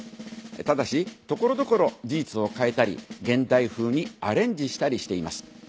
ただし所々事実を変えたり現代風にアレンジしたりしています。